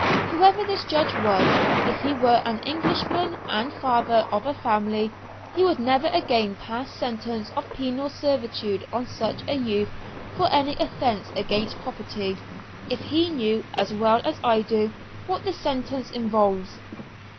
Whoever his judge was, if he were an Englishman and father of a family, he would never again pass sentence of penal servitude on such a youth for any offence against property, if he knew as well as I do what the sentence involves.